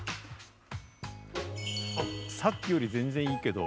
さっきより全然いいけど。